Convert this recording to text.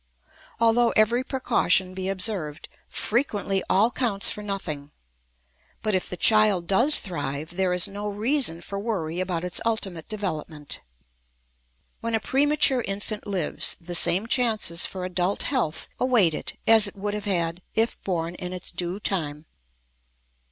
Although every precaution be observed, frequently all counts for nothing; but if the child does thrive, there is no reason for worry about its ultimate development. When a premature infant lives, the same chances for adult health await it as it would have had if born in its due time.